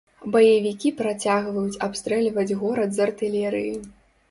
Баевікі працягваюць абстрэльваць горад з артылерыі.